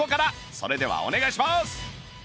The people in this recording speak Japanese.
それではお願いします